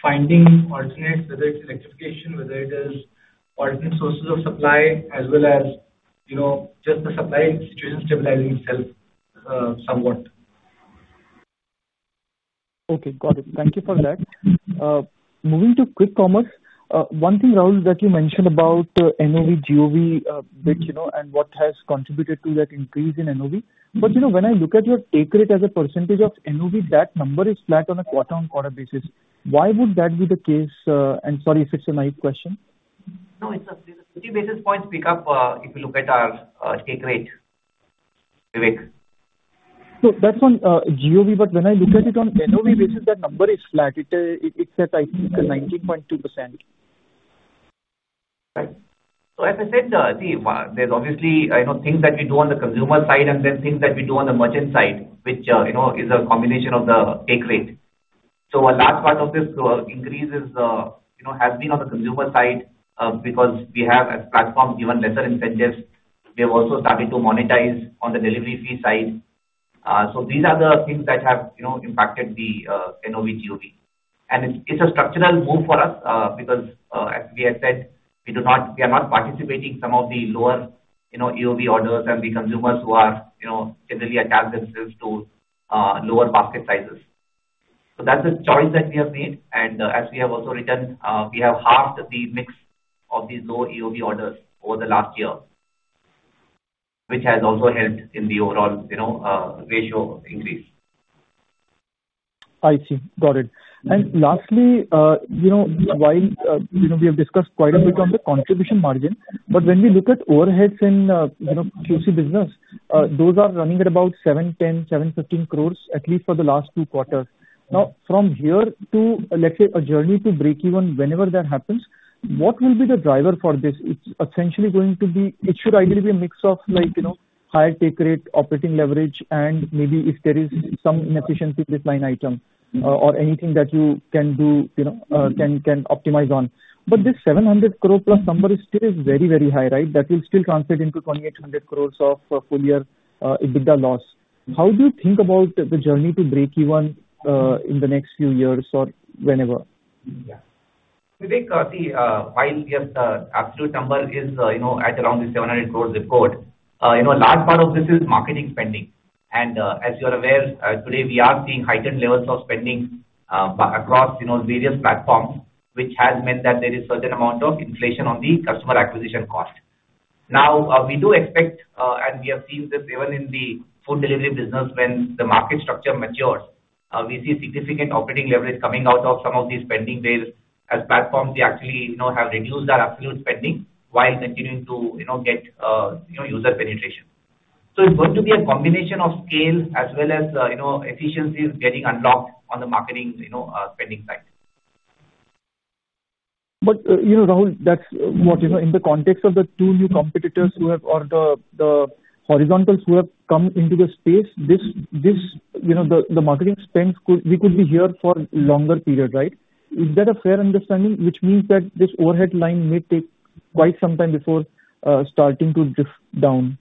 finding alternatives, whether it's electrification, whether it is alternate sources of supply, as well as just the supply situation stabilizing itself somewhat. Okay. Got it. Thank you for that. Moving to Quick Commerce. One thing, Rahul, that you mentioned about NOV, GOV, bit, you know, and what has contributed to that increase in NOV. You know, when I look at your take rate as a percentage of NOV, that number is flat on a quarter-on-quarter basis. Why would that be the case? And sorry if it's a naive question. No, There's a 50 basis points pick up, if you look at our take rate, Vivek. No, that's on GOV, but when I look at it on NOV basis, that number is flat. It's at I think 19.2%. Right. As I said, see, there's obviously, you know, things that we do on the consumer side and then things that we do on the merchant side, which, you know, is a combination of the take rate. A large part of this increase is, you know, has been on the consumer side, because we have as platform given lesser incentives. We have also started to monetize on the delivery fee side. These are the things that have, you know, impacted the AOV, GOV. It's, it's a structural move for us, because, as we have said, we are not participating some of the lower, you know, AOV orders and the consumers who are, you know, generally attach themselves to, lower basket sizes. That's the choice that we have made. As we have also written, we have halved the mix of these low AOV orders over the last one year, which has also helped in the overall, you know, ratio increase. I see. Got it. Lastly, you know, while, you know, we have discussed quite a bit on the contribution margin, but when we look at overheads in, you know, QC business, those are running at about 710 crore, 715 crore at least for the last two quarters. From here to, let's say, a journey to breakeven, whenever that happens, what will be the driver for this? It should ideally be a mix of like, you know, higher take rate, operating leverage, and maybe if there is some inefficiency with line item or anything that you can do, you know, can optimize on. This 700+ crore number is still very, very high, right? That will still translate into 2,800 crore of full year EBITDA loss. How do you think about the journey to breakeven in the next few years or whenever? Yeah. Vivek, see, while we have absolute number is, you know, at around the 700 crores report, you know, a large part of this is marketing spending. As you're aware, today we are seeing heightened levels of spending across, you know, various platforms, which has meant that there is certain amount of inflation on the customer acquisition cost. Now, we do expect, and we have seen this even in the Food Delivery business, when the market structure matures, we see significant operating leverage coming out of some of these spending rails. As platforms, we actually, you know, have reduced our absolute spending while continuing to, you know, get, you know, user penetration. It's going to be a combination of scale as well as, you know, efficiencies getting unlocked on the marketing, you know, spending side. You know, Rahul, that's what, you know, in the context of the two new competitors who have or the horizontals who have come into the space, this, you know, the marketing spends we could be here for longer period, right? Is that a fair understanding? Which means that this overhead line may take quite some time before starting to drift down.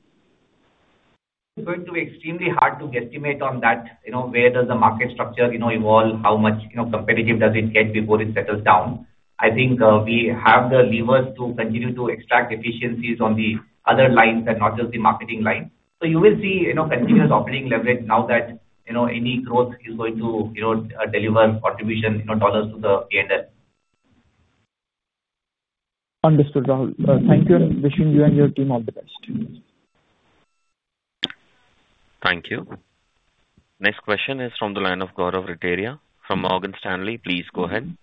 It's going to be extremely hard to guesstimate on that, you know, where does the market structure, you know, evolve, how much, you know, competitive does it get before it settles down. I think, we have the levers to continue to extract efficiencies on the other lines and not just the marketing line. You will see, you know, continuous operating leverage now that, you know, any growth is going to, you know, deliver contribution, you know, dollars to the PNL. Understood, Rahul. Thank you, and wishing you and your team all the best. Thank you. Next question is from the line of Gaurav Rateria from Morgan Stanley. Please go ahead.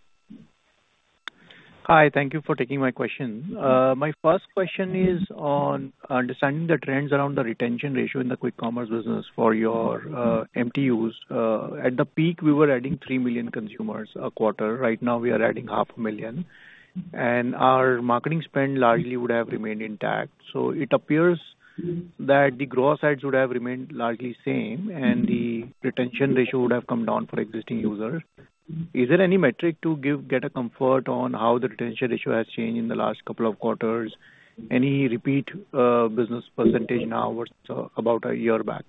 Hi. Thank you for taking my question. My first question is on understanding the trends around the retention ratio in the Quick Commerce business for your MTUs. At the peak, we were adding 3 million consumers a quarter. Right now, we are adding 0.5 million. Our marketing spend largely would have remained intact. It appears that the growth sides would have remained largely same and the retention ratio would have come down for existing users. Is there any metric to get a comfort on how the retention ratio has changed in the last couple of quarters? Any repeat business percentage now versus about a year back?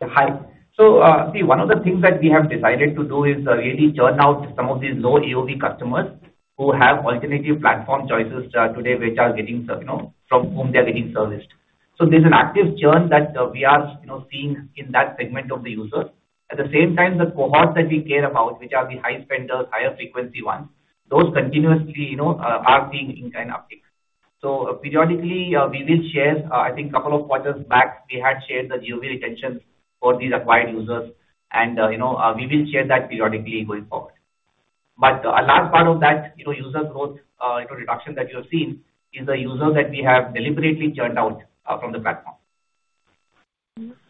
Hi. One of the things that we have decided to do is really churn out some of these low AOV customers who have alternative platform choices today, which are getting, you know, from whom they're getting serviced. There's an active churn that we are, you know, seeing in that segment of the users. At the same time, the cohorts that we care about, which are the high spenders, higher frequency ones, those continuously, you know, are seeing in-kind uptick. Periodically, we will share. I think couple of quarters back, we had shared the AOV retention for these acquired users and, you know, we will share that periodically going forward. A large part of that, you know, user growth, you know, reduction that you're seeing is the users that we have deliberately churned out from the platform.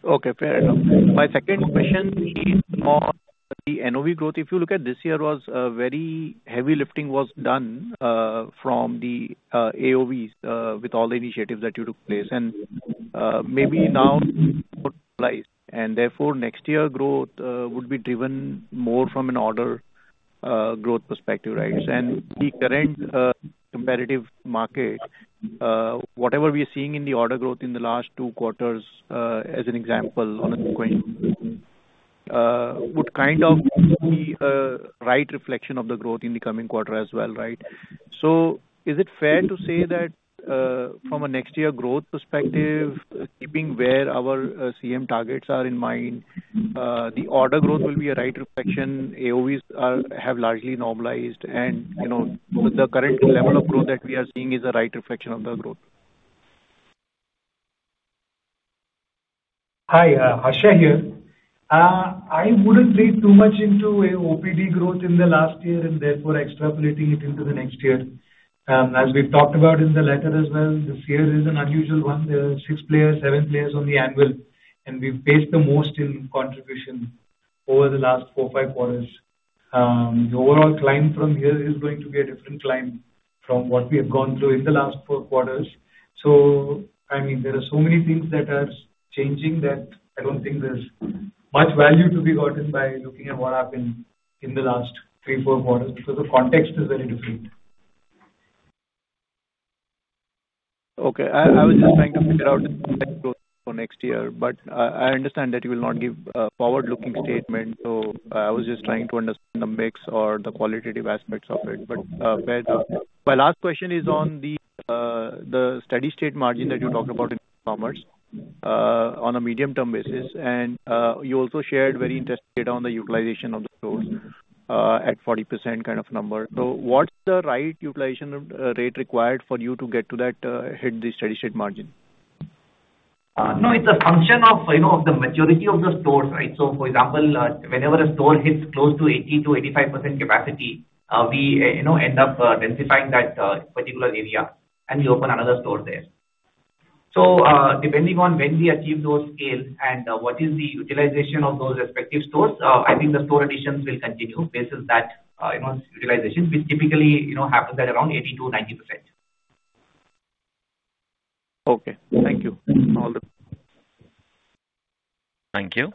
Okay, fair enough. My second question is on the NOV growth. If you look at this year was very heavy lifting was done from the AOVs with all the initiatives that you took place. Maybe now and therefore next year growth would be driven more from an order growth perspective, right? The current competitive market whatever we are seeing in the order growth in the last two quarters, as an example on a [inaudible] would kind of be a right reflection of the growth in the coming quarter as well, right? Is it fair to say that, from a next year growth perspective, keeping where our CM targets are in mind, the order growth will be a right reflection, AOVs have largely normalized and, you know, the current level of growth that we are seeing is a right reflection of the growth? Hi, Harsha here. I wouldn't read too much into AOPD growth in the last year and therefore extrapolating it into the next year. As we've talked about in the letter as well, this year is an unusual one. There are six players, seven players on the anvil, and we've faced the most in contribution over the last four, five quarters. The overall climb from here is going to be a different climb from what we have gone through in the last four quarters. I mean, there are so many things that are changing that I don't think there's much value to be gotten by looking at what happened in the last three, four quarters because the context is very different. Okay. I was just trying to figure out for next year, but I understand that you will not give a forward-looking statement. I was just trying to understand the mix or the qualitative aspects of it. Fair enough. The steady-state margin that you talked about in commerce on a medium-term basis. You also shared very interesting data on the utilization of the stores at 40% kind of number. What's the right utilization rate required for you to get to that hit the steady-state margin? No, it's a function of, you know, the maturity of the stores, right? For example, whenever a store hits close to 80% to 85% capacity, we, you know, end up densifying that particular area, and we open another store there. Depending on when we achieve those scales and what is the utilization of those respective stores, I think the store additions will continue basis that, you know, utilization which typically, you know, happens at around 80% to 90%. Okay. Thank you. All the best. Thank you.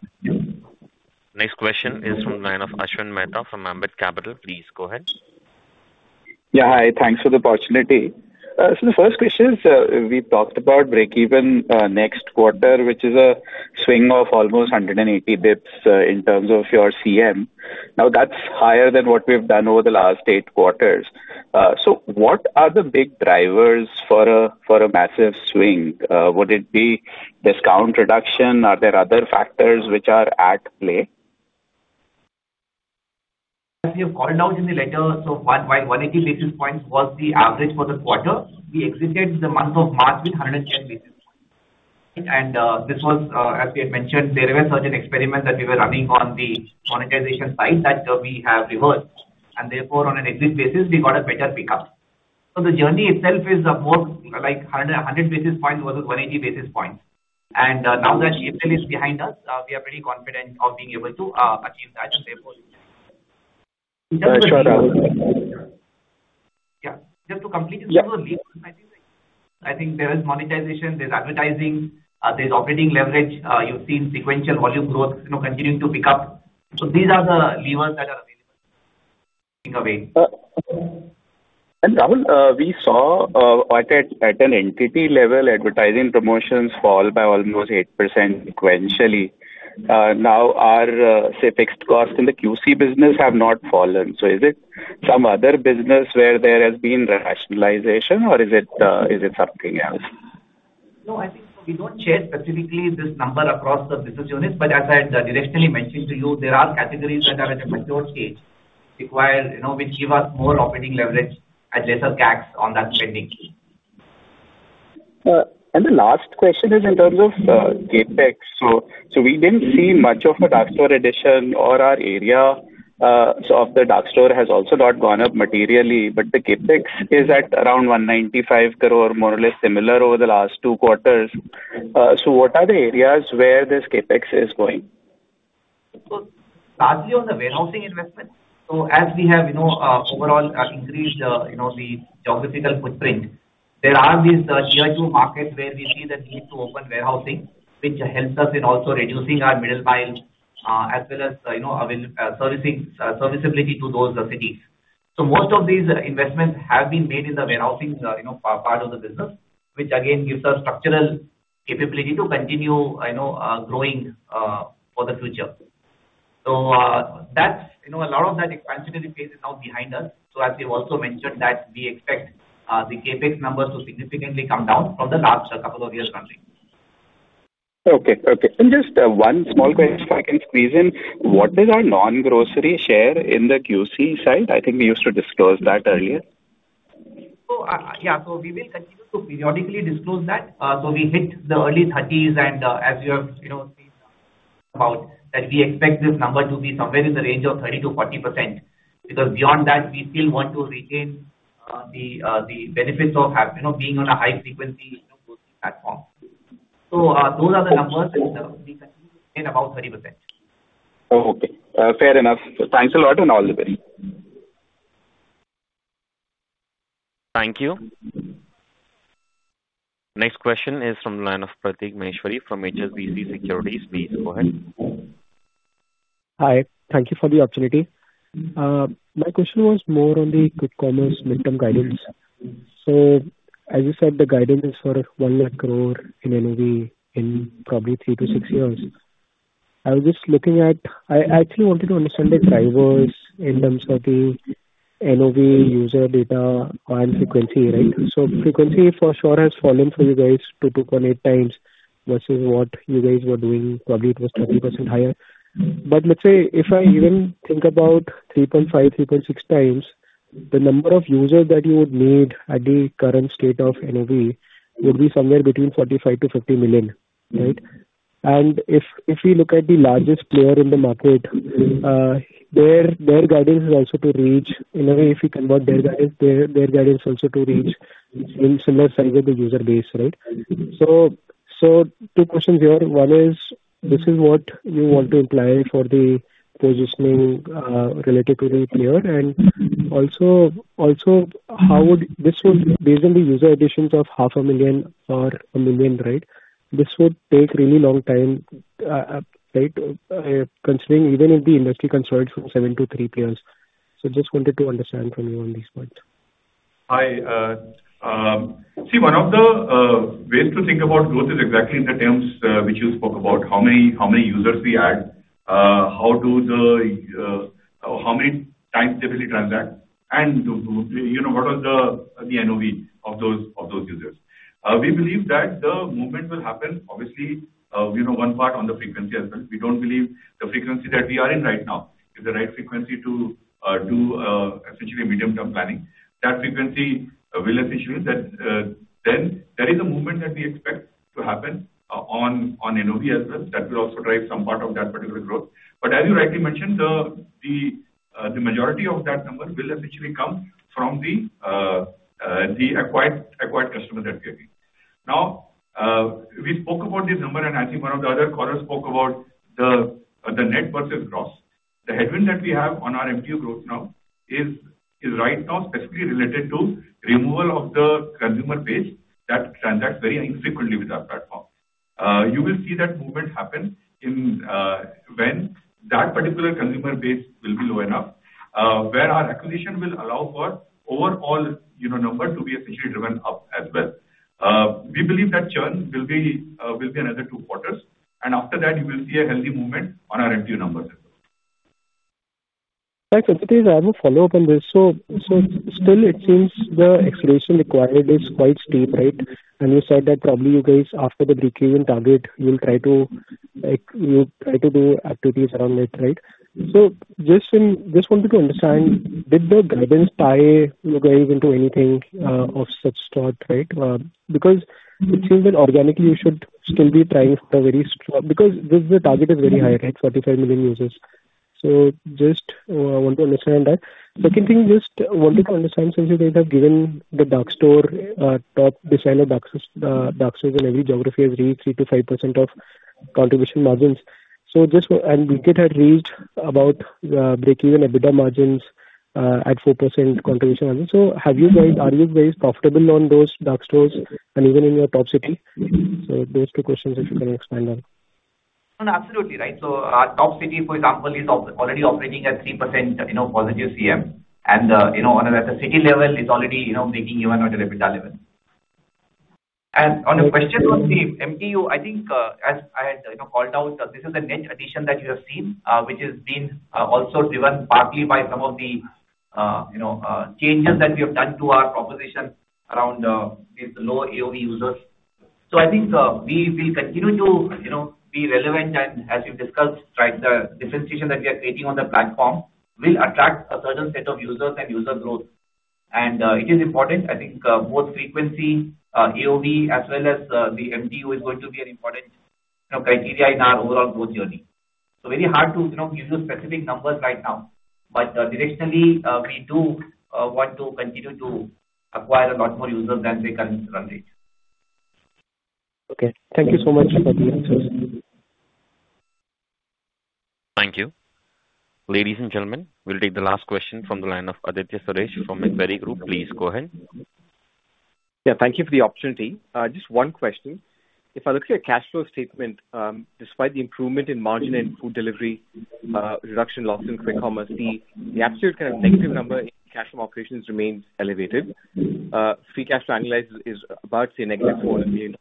Next question is from the line of Ashwin Mehta from Ambit Capital. Please go ahead. Yeah. Hi. Thanks for the opportunity. The first question is, we talked about breakeven next quarter, which is a swing of almost 180 basis points in terms of your CM. That's higher than what we've done over the last eight quarters. What are the big drivers for a massive swing? Would it be discount reduction? Are there other factors which are at play? As we have called out in the letter, one, while 180 basis points was the average for the quarter, we exited the month of March with 110 basis points. This was, as we had mentioned, there were certain experiments that we were running on the monetization side that, we have reversed and therefore on an exit basis we got a better pickup. The journey itself is, more like 100 basis points versus 180 basis points. Now that IFL is behind us, we are pretty confident of being able to achieve that and therefore Sure. Yeah. Just to complete I think there is monetization, there's advertising, there's operating leverage. You've seen sequential volume growth, you know, continuing to pick up. These are the levers that are available away. Rahul, we saw at an entity level, advertising promotions fall by almost 8% sequentially. Now our, say, fixed costs in the QC business have not fallen. Is it some other business where there has been rationalization or is it something else? No, I think we don't share specifically this number across the business units, but as I directionally mentioned to you, there are categories that are at a mature stage require, you know, which give us more operating leverage and lesser CAC on that spending key. The last question is in terms of CapEx. We didn't see much of a dark store addition or our area of the dark store has also not gone up materially, but the CapEx is at around 195 crore, more or less similar over the last two quarters. What are the areas where this CapEx is going? Largely on the warehousing investment. As we have, you know, overall, increased, you know, the geographical footprint. There are these Tier 2 markets where we see the need to open warehousing, which helps us in also reducing our middle mile, as well as, you know, will servicing serviceability to those cities. Most of these investments have been made in the warehousing, you know, part of the business, which again gives us structural capability to continue, you know, growing for the future. That's, you know, a lot of that expansionary phase is now behind us. As we've also mentioned that we expect the CapEx numbers to significantly come down from the last couple years onwards. Okay. Okay. Just one small question if I can squeeze in. What is our non-grocery share in the QC side? I think we used to disclose that earlier. Yeah. We will continue to periodically disclose that. We hit the early 30s and, as you have, you know, seen about that we expect this number to be somewhere in the range of 30%-40%, because beyond that we still want to retain the benefits of have, you know, being on a high frequency, you know, grocery platform. Those are the numbers in about 30%. Oh, okay. fair enough. Thanks a lot, and all the best. Thank you. Next question is from the line of Prateek Maheshwari from HSBC Securities. Please go ahead. Hi. Thank you for the opportunity. My question was more on the Quick Commerce midterm guidance. As you said, the guidance is for 100,000 crore in NOV in probably three to six years. I was just looking at I actually wanted to understand the drivers in terms of the NOV user data on frequency, right? Frequency for sure has fallen for you guys to 2.8 times versus what you guys were doing. Probably it was 30% higher. But let's say if I even think about 3.5, 3.6 times, the number of users that you would need at the current state of NOV would be somewhere between 45 million-50 million. Right? If we look at the largest player in the market, in a way, if you convert their guidance, their guidance is also to reach in similar size of the user base, right? Two questions here. One is, this is what you want to imply for the positioning, relative to the player. Also, this would based on the user additions of half a million or a million, right? This would take really long time. Right? Considering even if the industry consolidates from seven to three players. Just wanted to understand from you on these points. Hi. See, one of the ways to think about growth is exactly in the terms, which you spoke about how many users we add. How many times they've really transact and, you know, what are the NOV of those users. We believe that the movement will happen obviously, you know, one part on the frequency as well. We don't believe the frequency that we are in right now is the right frequency to do essentially medium-term planning. That frequency will [inaudible] there is a movement that we expect to happen on NOV as well that will also drive some part of that particular growth. As you rightly mentioned, the majority of that number will essentially come from the acquired customers that we are getting. We spoke about this number, and I think one of the other callers spoke about the net versus gross. The headwind that we have on our MTU growth now is right now specifically related to removal of the consumer base that transacts very infrequently with our platform. You will see that movement happen in when that particular consumer base will be low enough, where our acquisition will allow for overall, you know, number to be essentially driven up as well. We believe that churn will be another two quarters, and after that you will see a healthy movement on our MTU numbers. Thanks [inaudible] I have a follow up on this. Still it seems the acceleration required is quite steep, right? And you said that probably you guys after the breakeven target you'll try to do activities around it, right? Just wanted to understand, did the guidance tie, you know, guys into anything of such sort, right? Because it seems that organically you should still be trying for a very strong-- because this, the target is very high, right? 45 million users. Just want to understand that. Second thing, just wanted to understand since you guys have given the dark store, top decile dark stores in every geography is really 3%-5% of contribution margins. We could have reached about breakeven EBITDA margins at 4% contribution. Are you guys profitable on those dark stores and even in your top city? Those two questions if you can expand on. No, absolutely right. Our top city, for example, is op-already operating at 3%, you know, positive CM and, you know, at the city level is already, you know, breaking even at a EBITDA level. On your question on the MTU, I think, as I had, you know, called out, this is a net addition that you have seen, which has been also driven partly by some of the, you know, changes that we have done to our proposition around these low AOV users. I think, we will continue to, you know, be relevant and as we've discussed, right, the differentiation that we are creating on the platform will attract a certain set of users and user growth. It is important, I think, both frequency, AOV as well as the MTU is going to be an important, you know, criteria in our overall growth journey. Very hard to, you know, give you specific numbers right now. Directionally, we do want to continue to acquire a lot more users than the current run rate. Okay. Thank you so much for the answers. Thank you. Ladies and gentlemen, we'll take the last question from the line of Aditya Suresh from Macquarie Group. Please go ahead. Yeah, thank you for the opportunity. Just one question. If I look at your cash flow statement, despite the improvement in margin and Food Delivery, reduction loss in Quick Commerce, the absolute kind of negative number in cash from operations remains elevated. Free cash to analyze is about, say, negative $400 million.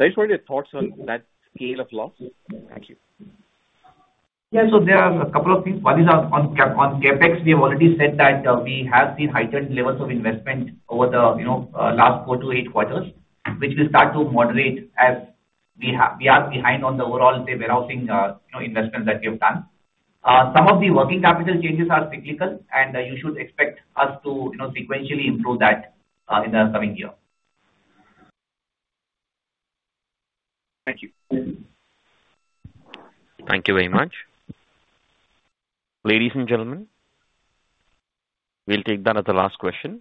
I just wanted your thoughts on that scale of loss. Thank you. There are a couple of things. One is on CapEx. We have already said that we have seen heightened levels of investment over the, you know, last four to eight quarters, which will start to moderate as we are behind on the overall, say, warehousing, you know, investments that we have done. Some of the working capital changes are cyclical, and you should expect us to, you know, sequentially improve that in the coming year. Thank you. Thank you very much. Ladies and gentlemen, we'll take that as the last question.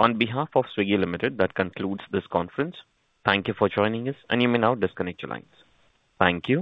On behalf of Swiggy Limited, that concludes this conference. Thank you for joining us, and you may now disconnect your lines. Thank you.